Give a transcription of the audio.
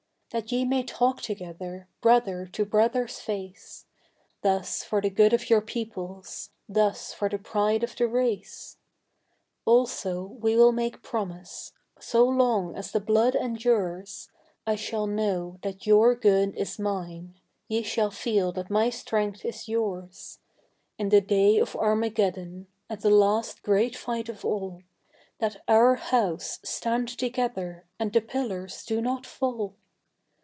That ye may talk together, brother to brother's face Thus for the good of your peoples thus for the Pride of the Race. Also, we will make promise. So long as The Blood endures, I shall know that your good is mine: ye shall feel that my strength is yours: In the day of Armageddon, at the last great fight of all, That Our House stand together and the pillars do not fall.